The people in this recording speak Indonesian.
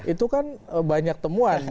itu kan banyak temuan